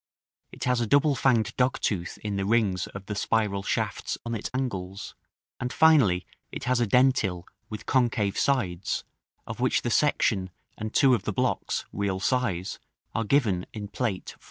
it has a double fanged dogtooth in the rings of the spiral shafts on its angles; and, finally, it has a dentil with concave sides, of which the section and two of the blocks, real size, are given in Plate XIV.